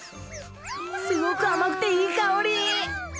すごく甘くていい香り。